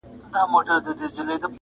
یو پاچا وي بل تر مرګه وړي بارونه -